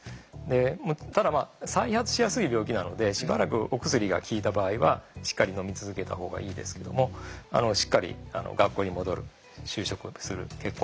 ただ再発しやすい病気なのでしばらくお薬が効いた場合はしっかりのみ続けたほうがいいですけどもしっかり学校に戻る就職する結婚する子どもをつくる。